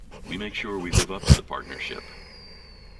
We make sure we live up to the partnership.